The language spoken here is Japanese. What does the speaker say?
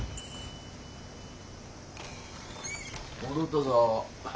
戻ったぞ。